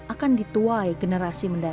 akan dituai generasi menengah